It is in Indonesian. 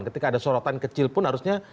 ketika ada sorotan kecil pun harusnya